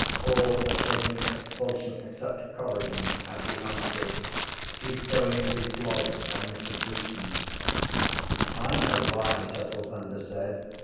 —All are taking expulsion except Corrigan, Athy answered. He’s going to be flogged by Mr Gleeson. —I know why, Cecil Thunder said.